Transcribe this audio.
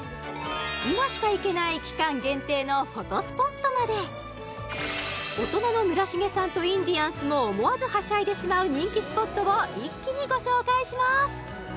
今しか行けない期間限定のまで大人の村重さんとインディアンスも思わずはしゃいでしまう人気スポットを一気にご紹介します